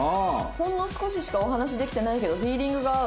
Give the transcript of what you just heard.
「ほんの少ししかお話しできてないけどフィーリングが合う」。